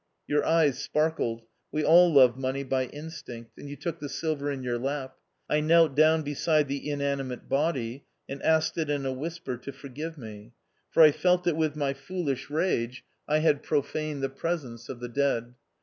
Your eyes sparkled — we all love money by instinct — and you took the silver in your lap. I knelt down beside the inanimate body, and asked it in a whisper to forgive me, for I felt that with my foolish rage I THE OUTCAST. 215 had profaned the presence of the dead.